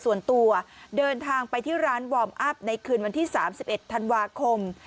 ส่วนตัวเดินทางไปที่ร้านวอร์มอัพในคืนวันที่๓๑ธันวาคม